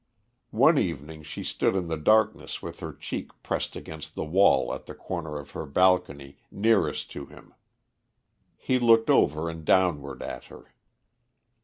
One evening she stood in the darkness with her cheek pressed against the wall at the corner of her balcony nearest to him; he looked over and downward at her.